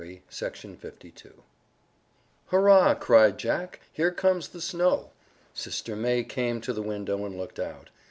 A JOKE ON UNCLE JIMMY "Hurrah!" cried Jack, "here comes the snow!" Sister May came to the window and looked out.